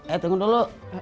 eh tunggu dulu